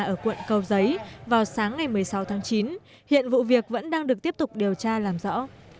ở quận cầu giấy vào sáng ngày một mươi sáu tháng chín hiện vụ việc vẫn đang được tiếp tục điều tra làm rõ